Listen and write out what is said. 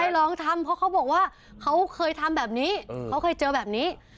ลองทำเพราะเขาบอกว่าเขาเคยทำแบบนี้เขาเคยเจอแบบนี้